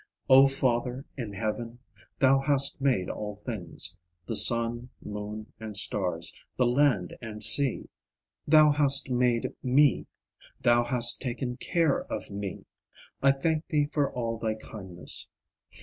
O Father in Heaven, Thou hast made all things; The sun, moon, and stars, the land and sea. Thou hast made me. Thou hast taken care of me. I thank Thee for all thy kindness.